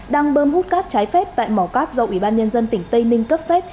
đang bơm hút cát trái phép tại mỏ cát do ủy ban nhân dân tỉnh tây ninh cấp phép